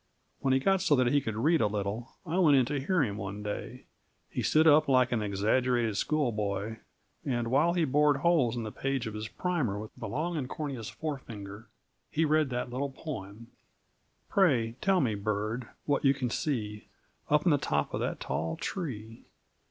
When he got so that he could read a little I went in to hear him one day. He stood up like an exaggerated schoolboy, and while he bored holes in the page of his primer with a long and corneous forefinger he read that little poem: Pray tell me, bird, what you can see Up in the top of that tall tree?